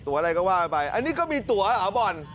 ตั๋วอะไรก็ว่าไปอันนี้ก็มีตั๋วหรอบอล